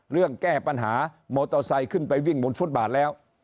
แก้ปัญหามอเตอร์ไซค์ขึ้นไปวิ่งบนฟุตบาทแล้ว